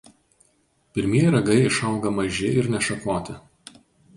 Pirmieji ragai išauga maži ir nešakoti.